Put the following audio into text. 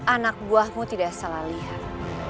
anak buahmu tidak salah lihat